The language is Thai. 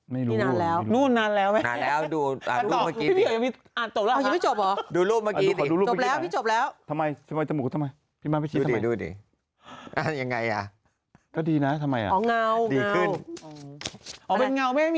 ไม่รู้นานแล้วนานแล้ว